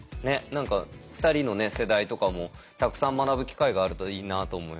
何か２人の世代とかもたくさん学ぶ機会があるといいなと思いました。